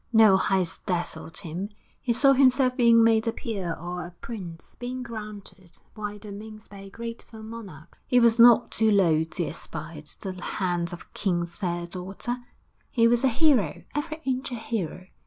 No heights dazzled him; he saw himself being made a peer or a prince, being granted wide domains by a grateful monarch. He was not too low to aspire to the hand of a king's fair daughter; he was a hero, every inch a hero.